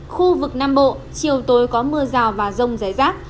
khu vực nam bộ chiều tối có mưa rào và rông rải rác